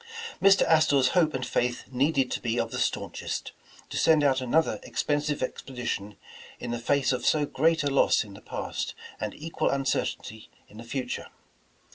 Mr. Astor 's hope and faith needed to be of the staunchest, to send out another expensive expedition in the face of so great loss in the past and (iqual uncer tainty in the future.